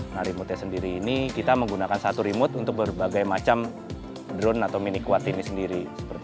nah remote sendiri ini kita menggunakan satu remote untuk berbagai macam drone atau mini kuat ini sendiri